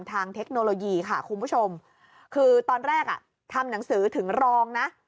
เทคโนโลยีค่ะคุณผู้ชมคือตอนแรกอ่ะทำหนังสือถึงรองนะ